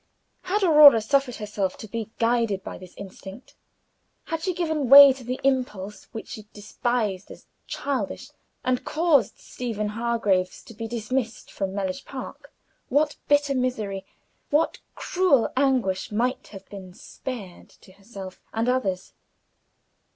Had Aurora suffered herself to be guided by this instinct; had she given way to the impulse which she despised as childish, and caused Stephen Hargraves to be dismissed from Mellish Park, what bitter misery, what cruel anguish, might have been spared to herself and others.